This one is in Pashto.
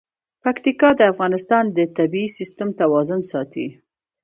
پکتیکا د افغانستان د طبعي سیسټم توازن ساتي.